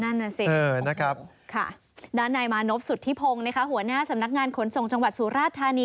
นั่นน่ะสินะครับค่ะด้านนายมานพสุธิพงศ์นะคะหัวหน้าสำนักงานขนส่งจังหวัดสุราชธานี